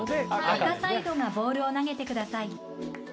赤サイドがボールを投げてください。